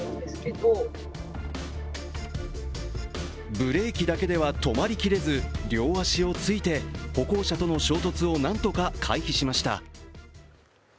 ブレーキだけでは止まりきれず、両足をついて歩行者との衝突をなんとか回避しました。